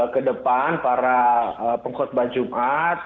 kedepan para pengkotbah jumat